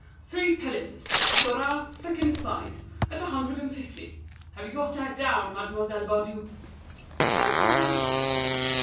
Three pelisses, surah, second size, at a hundred and fifty! Have you got that down, Mademoiselle Baudu?" "Yes, madame."